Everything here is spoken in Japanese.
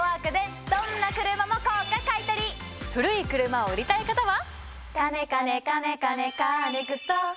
古い車を売りたい方は。